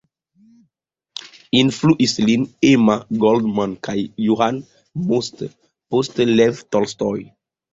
Influis lin Emma Goldman kaj Johann Most, poste Lev Tolstoj.